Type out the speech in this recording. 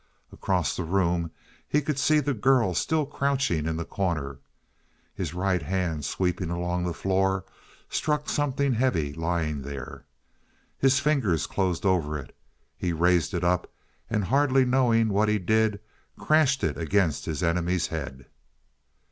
Across the room he could see the girl still crouching in the corner. His right hand sweeping along the floor struck something heavy lying there. His fingers closed over it; he raised it up, and hardly knowing what he did, crashed it against his enemy's head.